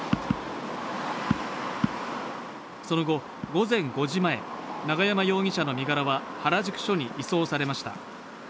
その後、午前５時前、永山容疑者の身柄は原宿署に移送されました。